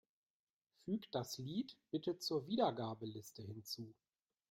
Füg das Lied bitte zur Wiedergabeliste hinzu.